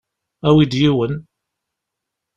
Awi-d yiwen.